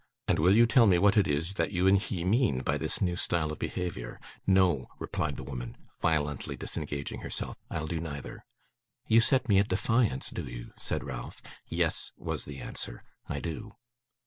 And will you tell me what it is that you and he mean by this new style of behaviour?' 'No,' replied the woman, violently disengaging herself, 'I'll do neither.' 'You set me at defiance, do you?' said Ralph. 'Yes,' was the answer. I do.